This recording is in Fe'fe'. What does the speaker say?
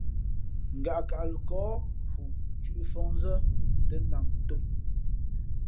Ngaʼkaʼ lαkάά hu thʉ̄ʼ mfα̌hnzᾱ tᾱ nam tōm.